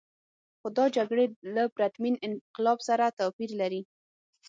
خو دا جګړې له پرتمین انقلاب سره توپیر لري.